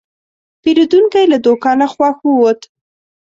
پیرودونکی له دوکانه خوښ ووت.